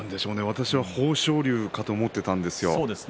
私は豊昇龍かと思っていたんですよ。